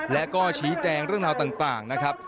และก็ชี้แจงเรื่องราวต่างนะครับ